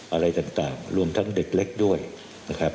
อะไรต่างรวมทั้งเด็กเล็กด้วยนะครับ